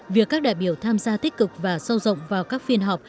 việc các đại biểu tham gia tích cực và sâu rộng vào các phiên họp